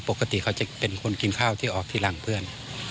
ปกติเขาจะเป็นคนกินข้าวที่ออกที่หลังเพื่อน